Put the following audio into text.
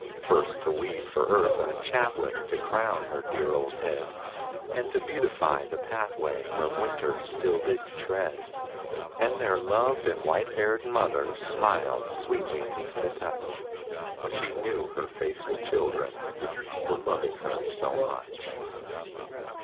First to weave for Earth a chaplet To crown her dear old head; And to beautify the pathway Where winter still did tread. And their loved and white haired mother Smiled sweetly 'neath the touch, When she knew her faithful children Were loving her so much.